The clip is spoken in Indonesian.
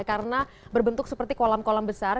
karena berbentuk seperti kolam kolam besar